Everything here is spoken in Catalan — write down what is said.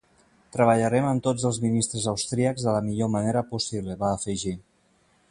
Treballarem amb tots els ministres austríacs de la millor manera possible, va afegir.